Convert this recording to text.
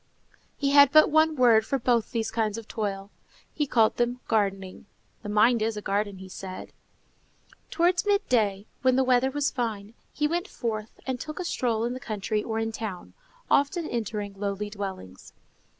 He had but one word for both these kinds of toil; he called them gardening. "The mind is a garden," said he. Towards midday, when the weather was fine, he went forth and took a stroll in the country or in town, often entering lowly dwellings.